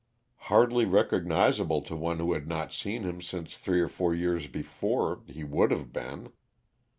Hardly recognizable to one who had not seen him since three or four years before, he would have been.